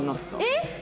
えっ！